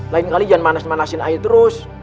lain kali jangan manas manasin air terus